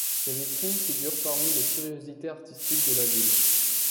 Ses vitrines figurent parmi les curiosités artistiques de la ville.